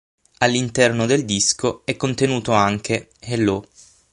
All'interno del disco è contenuto anche "Hello!